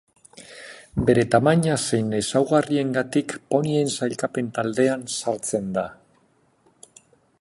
Bere tamaina zein ezaugarriengatik ponien sailkapen taldean sartzen da.